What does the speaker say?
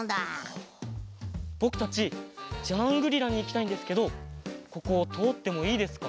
ぼくたちジャングリラにいきたいんですけどこことおってもいいですか？